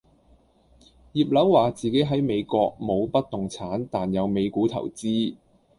葉劉話自己喺美國冇不動產但有美股投資